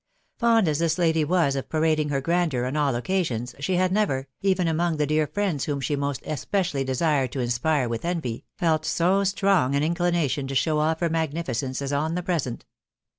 Fond as this lady was of parading her grandeur on all occasions, she had never, even among the dear friends whom she most especially desired to inspire with envy, felt so strong an inclination to show off her magnificence as on the present.